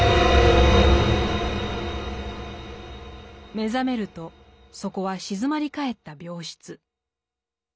目覚めるとそこは静まり返った病室。